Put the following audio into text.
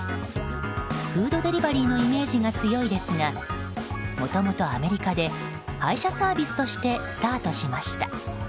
フードデリバリーのイメージが強いですがもともとアメリカで配車サービスとしてスタートしました。